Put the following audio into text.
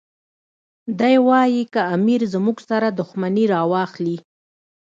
دی وایي که امیر زموږ سره دښمني راواخلي.